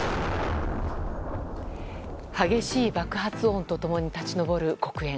激しい爆発音と共に立ち上る黒煙。